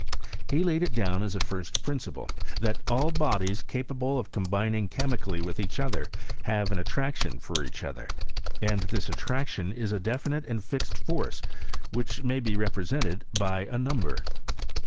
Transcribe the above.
He laid it down as a first principle, that all bodies capable of com* Inning chemically with each other, have an attrac tion for each other, and that this attraction is a defi nite and fixed force which may be represented by a number.